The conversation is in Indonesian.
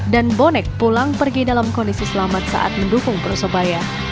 dan bonek pulang pergi dalam kondisi selamat saat mendukung persebaya